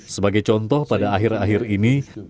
sebagai contoh pada akhir akhir ini